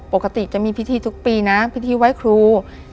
ปกติจะมีพิธีทุกปีนะพิธีไว้ครู